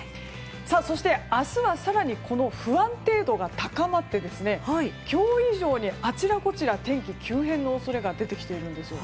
そして、明日は更に、この不安定度が高まって今日以上にあちらこちら天気急変の恐れが出てきているんですよ。